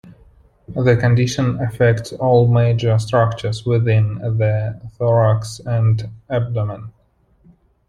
The condition affects all major structures within the thorax and abdomen.